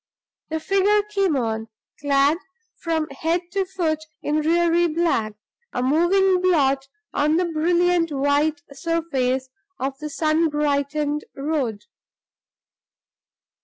The figure came on, clad from head to foot in dreary black a moving blot on the brilliant white surface of the sun brightened road.